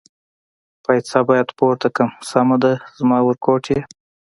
پایڅه باید پورته کړم، سمه ده زما ورکوټیه.